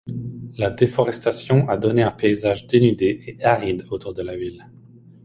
La déforestation a donné un paysage dénudé et aride autour de la ville.